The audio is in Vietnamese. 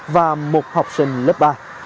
và một học sinh lớp ba